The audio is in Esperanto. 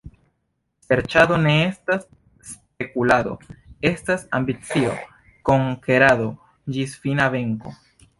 Serĉado ne estas spekulado, estas ambicio, konkerado ĝis fina venko.